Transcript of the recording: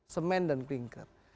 semen dan klingker